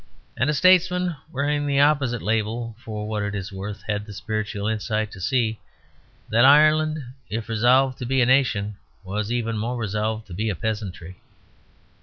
And a statesman wearing the opposite label (for what that is worth) had the spiritual insight to see that Ireland, if resolved to be a nation, was even more resolved to be a peasantry.